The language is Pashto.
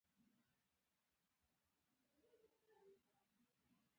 له نورو سره نرمي د ایمان ښکلا ده.